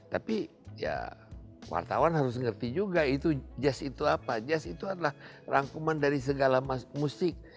tapi ya wartawan harus ngerti juga itu jazz itu apa jazz itu adalah rangkuman dari segala musik